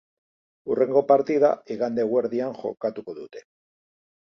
Hurrengo partida igande eguerdian jokatuko dute.